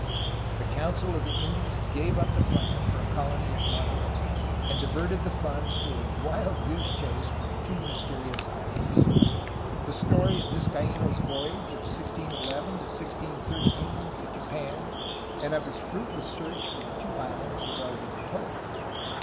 The uncil of the Indies gave up the plan for a colony at JV^oiiterey, and diverted the funds to a wild goose chase for the two mys terious islands. The story of Vizcaino's voyage of 1611 1613 to Japan and of his fruitless search for the two islands has already been told.